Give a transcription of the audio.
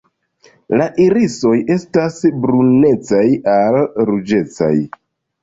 La irisoj estas brunecaj al ruĝecaj.